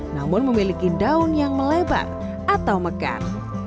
namun memiliki daun yang melebar atau mekar